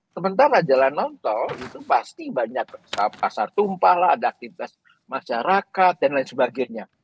sementara jalan non tol itu pasti banyak pasar tumpah lah ada aktivitas masyarakat dan lain sebagainya